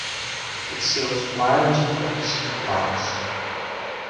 It sells wireless products and routers.